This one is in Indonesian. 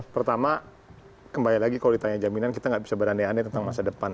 pertama kembali lagi kalau ditanya jaminan kita nggak bisa berandai andai tentang masa depan